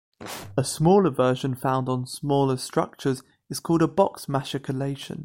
A smaller version found on smaller structures is called a box-machicolation.